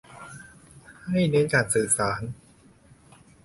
ให้เน้นการสื่อสาร